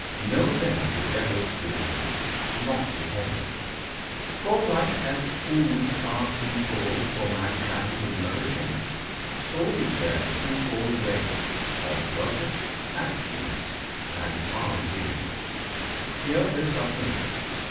Know them to devils devoted, not to Heaven! For like as foods are threefold for mankind In nourishing, so is there threefold way Of worship, abstinence, and almsgiving! Hear this of Me!